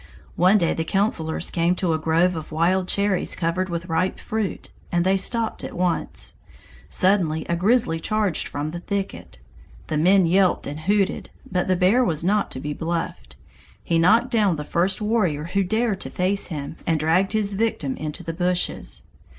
One day the councilors came to a grove of wild cherries covered with ripe fruit, and they stopped at once. Suddenly a grizzly charged from the thicket. The men yelped and hooted, but the bear was not to be bluffed. He knocked down the first warrior who dared to face him and dragged his victim into the bushes.